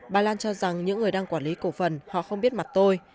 bà lan cho rằng những người đang quản lý cổ phần họ không biết mặt tôi